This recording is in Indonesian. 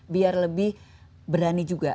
biar lebih berani juga